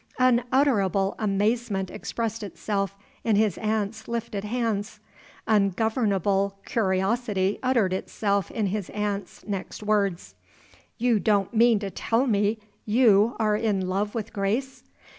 Unutterable amazement expressed itself in his aunt's lifted hands. Ungovernable curiosity uttered itself in his aunt's next words. "You don't mean to tell me you are in love with Grace?"